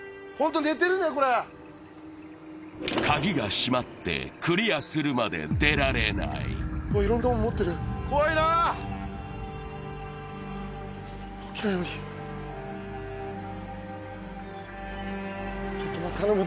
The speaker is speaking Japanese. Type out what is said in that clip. これ鍵がしまってクリアするまで出られない怖いなちょっと待って頼む